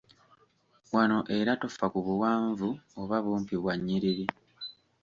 Wano era tofa ku buwanvu oba bumpi bwa nnyiriri.